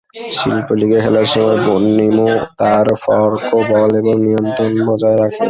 শিল্প লীগে খেলার সময় নোমো তার ফর্কবল এবং নিয়ন্ত্রণ বজায় রাখেন।